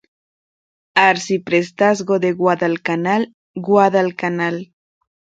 Arciprestazgo de Guadalcanal: Guadalcanal.